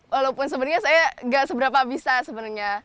walaupun sebenarnya saya nggak seberapa bisa sebenarnya